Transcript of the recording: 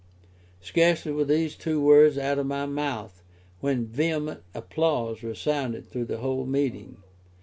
Scarcely were these two words out of my mouth, when vehement applause resounded through the whole meeting.